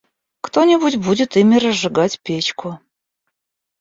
Кто-нибудь будет ими разжигать печку.